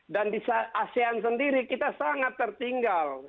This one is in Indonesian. dan di asean sendiri kita sangat tertinggal